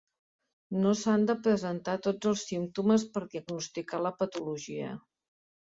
No s'han de presentar tots els símptomes per diagnosticar la patologia.